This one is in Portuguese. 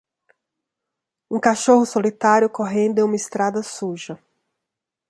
um cachorro solitário correndo em uma estrada suja